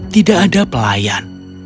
tidak ada pelayan